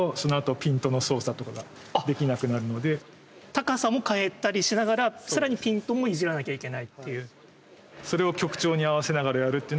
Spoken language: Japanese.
高さも変えたりしながらさらにピントもいじらなきゃいけないっていう。